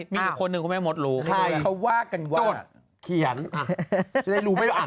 มีอีกคนหนึ่งคุณแม่มสรู้